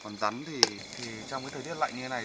còn rắn thì trong cái thời tiết lạnh như thế này